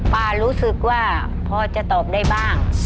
ป้ารู้สึกว่าพอจะตอบได้บ้าง